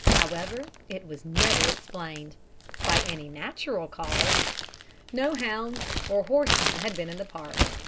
However, it never was explained by any natural cause. No hounds or horseman had been in the park.